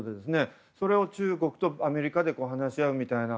それを中国とアメリカで話し合うみたいな。